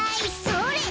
それ！